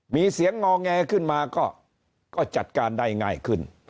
มีเสียงงอแงขึ้นมาก็จัดการได้ง่ายขึ้น